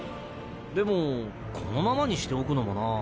でもこのままにしておくのもなぁ。